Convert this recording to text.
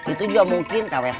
itu juga mungkin kw satu atau kw dua